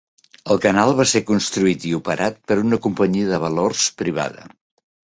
El canal va ser construït i operat per una companyia de valors privada.